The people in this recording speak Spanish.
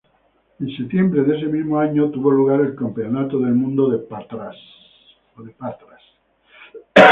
En septiembre de ese mismo año tuvo lugar el Campeonato del Mundo de Patras.